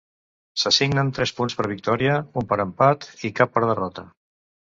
S'assignen tres punts per victòria, un per empat i cap per derrota.